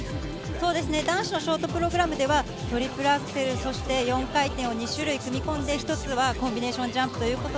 男子のショートプログラムではトリプルアクセル、そして４回転を２種類組み込んで、一つがコンビネーションジャンプ。